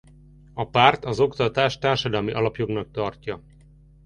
A párt az oktatást társadalmi alapjognak tartja.